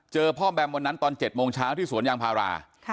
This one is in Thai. เจอพ่อแบมวันนั้นตอน๗โมงเช้าที่สวนยางพารา